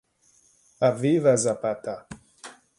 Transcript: A Viva Zapata!